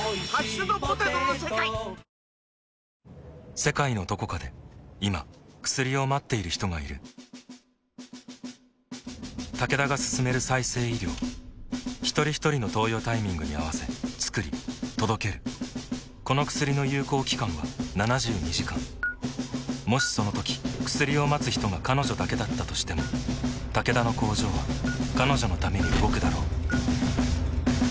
世界のどこかで今薬を待っている人がいるタケダが進める再生医療ひとりひとりの投与タイミングに合わせつくり届けるこの薬の有効期間は７２時間もしそのとき薬を待つ人が彼女だけだったとしてもタケダの工場は彼女のために動くだろう